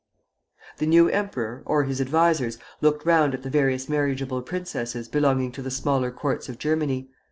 The new emperor, or his advisers, looked round at the various marriageable princesses belonging to the smaller courts of Germany.